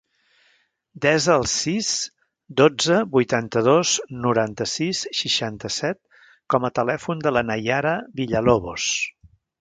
Desa el sis, dotze, vuitanta-dos, noranta-sis, seixanta-set com a telèfon de la Naiara Villalobos.